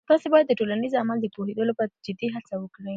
تاسې باید د ټولنیز عمل د پوهیدو لپاره جدي هڅه وکړئ.